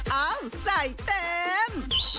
เอ้าใส่เต็ม